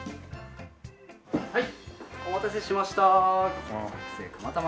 はいお待たせしました。